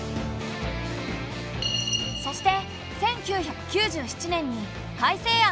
そして１９９７年に改正案が成立。